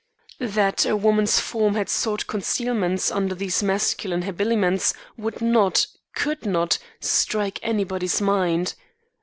That a woman's form had sought concealment under these masculine habiliments would not, could not, strike anybody's mind.